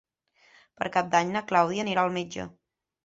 Per Cap d'Any na Clàudia anirà al metge.